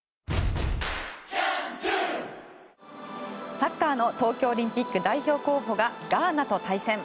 サッカーの東京オリンピック代表候補がガーナと対戦。